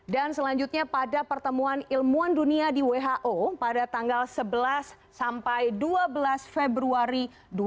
dan selanjutnya pada pertemuan ilmuwan dunia di who pada tanggal sebelas sampai dua belas februari dua ribu dua puluh